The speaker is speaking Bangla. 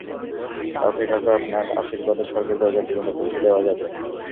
কাউকে কাউকে আপনার আশীর্বাদে স্বর্গের দরজা পর্যন্ত পৌঁছে দেওয়া যাবে!